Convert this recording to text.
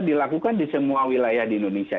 dilakukan di semua wilayah di indonesia